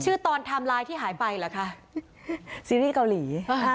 ชื่อตอนทำลายที่หายไปเหรอคะซีรีส์เกาหลี